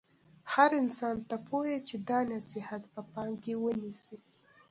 هر انسان ته پویه چې دا نصحیت په پام کې ونیسي.